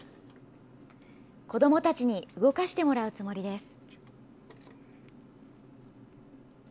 子どもたちに動かしてもらうつもりです。